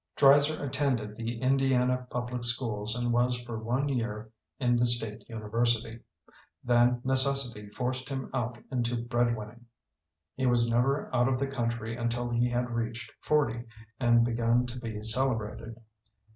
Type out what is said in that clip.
Dreiser attended the Indiana public schools and was for one year in the state university. Then necessity forced him out into breadwinning. He was never out of the country until he had reached forty and begun to be celebrated.